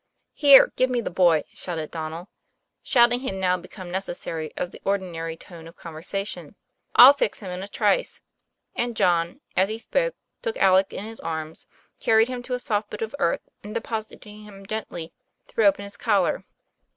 "Here, give me the boy," shouted Donnel (shout ing had now become necessary as the ordinary tone of conversation). "I'll fix him in a trice." And John, as he spoke, too4c Alec in his arms, carried him to a soft bit of earth, and depositing him gently, threw open his collar.